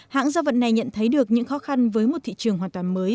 hãng gia vận này nhận thấy được những khó khăn với một thị trường hoàn toàn mới